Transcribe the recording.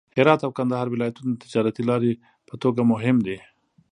هرات او کندهار ولایتونه د تجارتي لارې په توګه مهم دي.